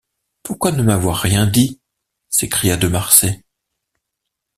Pourquoi ne m’avoir rien dit? s’écria de Marsay.